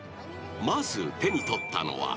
［まず手に取ったのは］